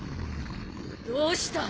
どうした！